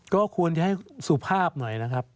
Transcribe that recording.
ก็ควรจะให้สุภาพหน่อยนะครับ